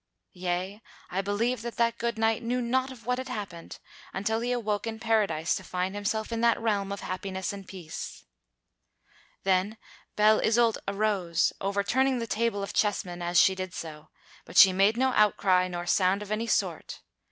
Yea, I believe that that good knight knew naught of what had happened until he awoke in Paradise to find himself in that realm of happiness and peace. [Sidenote: Of the passing of Tristram and Isoult] Then Belle Isoult arose, overturning the table of chessmen as she did so, but she made no outcry nor sound of any sort.